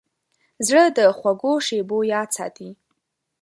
زړه د خوږو شیبو یاد ساتي.